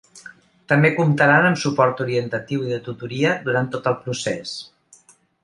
També comptaran amb suport orientatiu i de tutoria durant tot el procés.